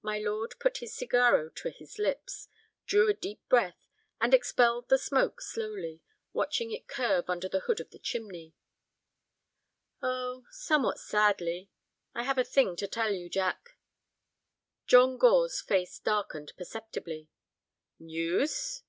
My lord put his cigarro to his lips, drew a deep breath, and expelled the smoke slowly, watching it curve under the hood of the chimney. "Oh, somewhat sadly. I have a thing to tell you, Jack." John Gore's face darkened perceptibly. "News?"